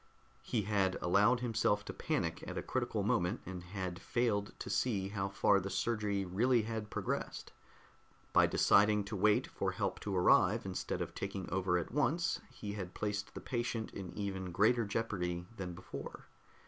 He had allowed himself to panic at a critical moment, and had failed to see how far the surgery had really progressed. By deciding to wait for help to arrive instead of taking over at once, he had placed the patient in even greater jeopardy than before.